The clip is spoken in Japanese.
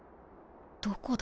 どこだ？